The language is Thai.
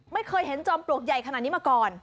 ไม่เคยเห็นจอมปลวกใหญ่ขนาดนี้มาก่อน